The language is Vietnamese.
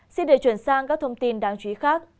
xin để chuyển sang các thông tin đáng chú ý khác